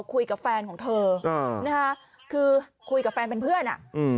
คุยกับแฟนของเธอคือคุยกับแฟนเป็นเพื่อน